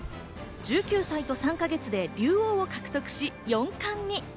１９歳と３か月で竜王を獲得し四冠に。